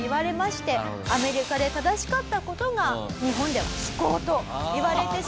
アメリカで正しかった事が日本では非行と言われてしまう。